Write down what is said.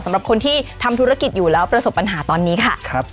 สำหรับคนที่ทำธุรกิจอยู่แล้วประสบปัญหาตอนนี้ค่ะ